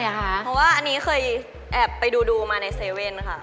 เพราะว่าอันนี้เคยแอบไปดูมาในเซเว่นค่ะ